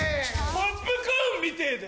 ポップコーンみてぇだ。